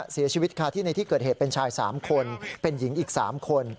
เสียชีวิตค่ะที่ในที่เกิดเหตุเป็นชาย๓คนเป็นหญิงอีก๓คน